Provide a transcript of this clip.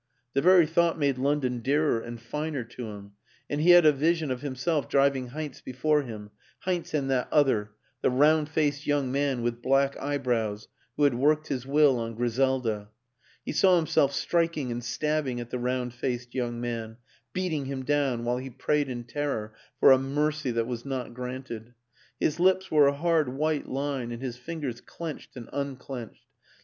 The very thought made London dearer and finer to him, and he had a vision of himself driving Heinz before him Heinz and that other, the round faced young man with black eyebrows who had worked his will on Griselda. He saw himself striking and stabbing at the round faced young man beating him down while he prayed in terror for a mercy that was not granted. His lips were a hard white line and his fingers clenched and unclenched.